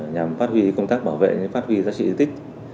nhằm phát huy công tác bảo vệ phát huy giá trị di tích